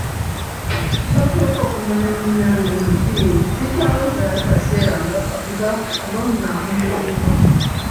Ky’oteeka okumanya munnange nno kiri nti sikyawezaayo kaseera nga mbonyabonyezebwa.